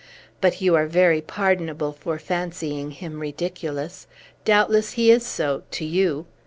But you are very pardonable for fancying him ridiculous. Doubtless, he is so to you!